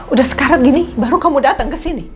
udah sekarang gini baru kamu datang kesini